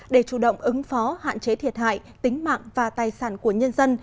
để chủ động ứng phó hạn chế thiệt hại tính mạng và tài sản của nhân dân